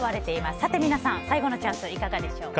さて皆さん、最後のチャンスいかがでしょうか。